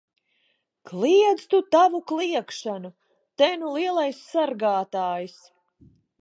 Kliedz tu tavu kliegšanu! Te nu lielais sargātājs!